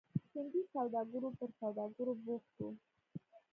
هندي سوداګرو پر سوداګرۍ بوخت وو.